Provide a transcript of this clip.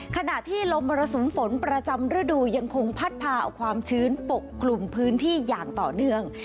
ขณะที่ลมมรสุมฝนประจำฤดูยังคงพัดพาเอาความชื้นปกคลุมพื้นที่อย่างต่อเนื่อง